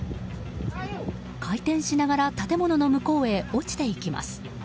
回転しながら建物の向こうへ落ちていきます。